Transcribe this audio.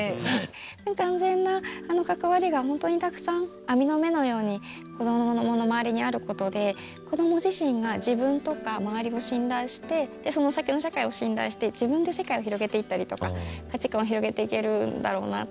安全な関わりが本当にたくさん網の目のように子供の周りにあることで子供自身が自分とか周りを信頼して、その先の社会を信頼して、自分で世界を広げていったりとか、価値観を広げていけるんだろうなと。